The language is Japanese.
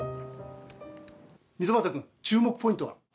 溝端君、注目ポイントは？